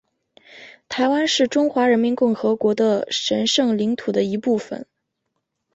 台湾是中华人民共和国的神圣领土的一部分